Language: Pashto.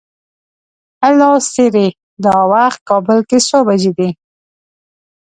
هلو سیري! دا وخت کابل کې څو بجې دي؟